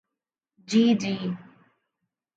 جی جی۔